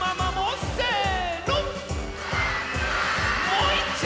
もういっちょ！